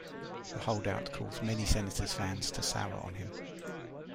The holdout caused many Senators' fans to sour on him.